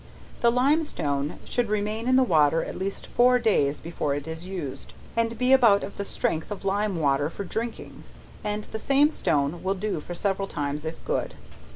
The limestone should remain in the water at least four days before it is used, and be about of the strength of lime water for drinking, and the same stone will do for several times if good.